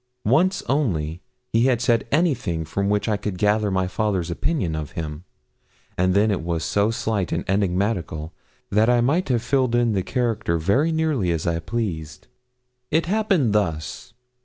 Once only he had said anything from which I could gather my father's opinion of him, and then it was so slight and enigmatical that I might have filled in the character very nearly as I pleased. It happened thus.